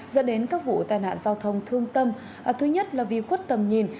dẫn đến các vụ tai nạn giao thông thương tâm thứ nhất là vì khuất tầm nhìn